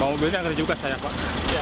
bawa mobilnya juga saya pak